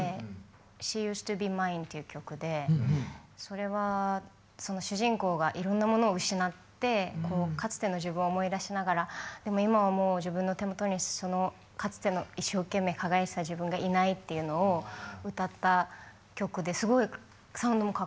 「ＳＨＥＵＳＥＤＴＯＢＥＭＩＮＥ」っていう曲でそれは主人公がいろんなものを失ってかつての自分を思い出しながらでも今はもう自分の手元にそのかつての一生懸命輝いていた自分がいないっていうのを歌った曲ですごいサウンドもかっこよくて。